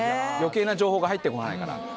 余計な情報が入ってこないから。